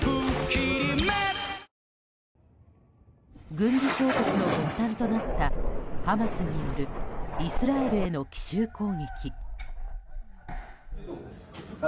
軍事衝突の発端となったハマスによるイスラエルへの奇襲攻撃。